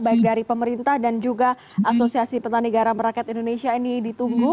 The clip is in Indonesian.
baik dari pemerintah dan juga asosiasi petani garam rakyat indonesia ini ditunggu